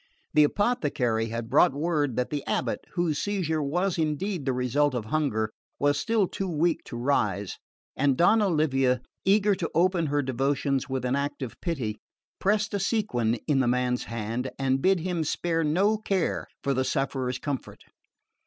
The apothecary had brought word that the abate, whose seizure was indeed the result of hunger, was still too weak to rise; and Donna Livia, eager to open her devotions with an act of pity, pressed a sequin in the man's hand, and bid him spare no care for the sufferer's comfort.